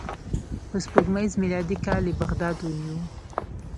په سپوږمیز میلادي کال یې بغداد ونیو.